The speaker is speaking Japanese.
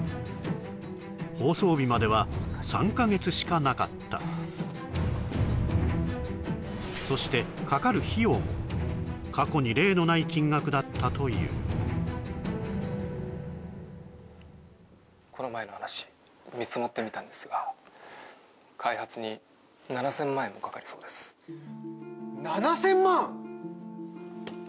放送日までは３か月しかなかったそしてかかる費用も過去に例のない金額だったというこの前の話見積もってみたんですが開発に７０００万円もかかるそうです７０００万！？